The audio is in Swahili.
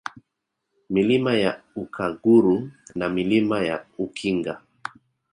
Milima ya Ukaguru na Milima ya Ukinga